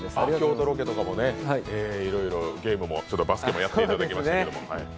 京都ロケとかもいろいろゲームもバスケもやっていただきましたけれども。